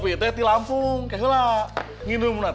bukannya nyuri jelas orang lain ngerjain